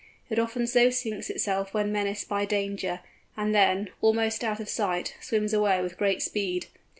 It often so sinks itself when menaced by danger, and then, almost out of sight, swims away with great speed.